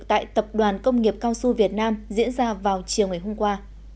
tại tập đoàn công nghiệp cao su việt nam diễn ra vào chiều ngày hôm qua